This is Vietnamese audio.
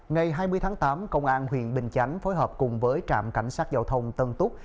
ngày hai mươi tháng tám công an huyện bình chánh phối hợp cùng với trạm cảnh sát giao thông tân túc